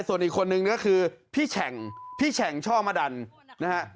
ส่วนอีกคนนึงก็คือพี่แฉ่งพี่แฉ่งช่อมะดันนะฮะ